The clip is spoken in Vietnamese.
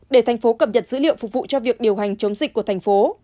để tp hcm cập nhật dữ liệu phục vụ cho việc điều hành chống dịch của tp hcm